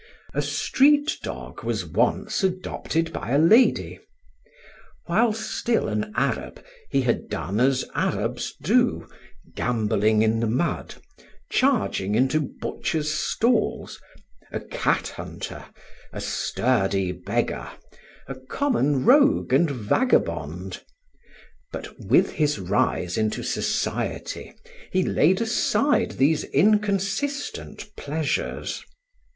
A street dog was once adopted by a lady. While still an Arab, he had done as Arabs do, gambolling in the mud, charging into butchers' stalls, a cat hunter, a sturdy beggar, a common rogue and vagabond; but with his rise into society he laid aside these inconsistent pleasures.